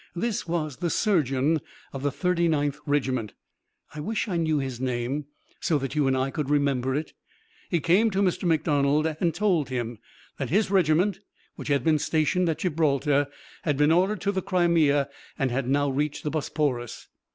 This was the surgeon of the 39th regiment. I wish I knew his name, so that you and I could remember it. He came to Mr. McDonald and told him that his regiment, which had been stationed at Gibraltar, had been ordered to the Crimea and had now reached the Bosporus.